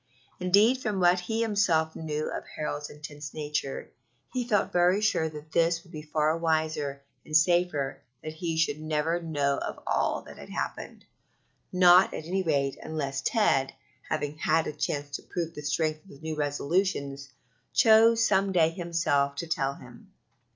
Indeed, from what he himself knew of Harold's intense nature, he felt very sure that it would be far wiser and safer that he should never know of all that had happened not, at any rate, unless Ted, having had a chance to prove the strength of his new resolutions, chose some day himself to tell him.